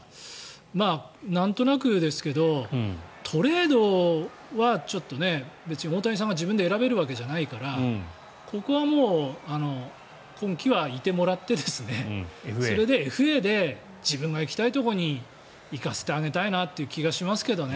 なんとなくですけどトレードはちょっと別に大谷さんが自分で選べるわけではないからここはもう、今季はいてもらってそれでＦＡで自分が行きたいところに行かせてあげたいなという気がしますけどね。